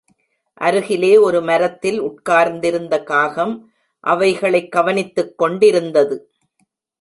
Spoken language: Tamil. அருகிலே ஒரு மரத்தில் உட்கார்ந்திருந்த காகம், அவைகளைக் கவனித்துக்கொண்டிருந்தது.